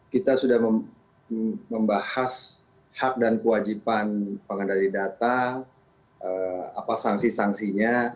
kita sudah membahas hak dan kewajiban pengendali data apa sanksi sanksinya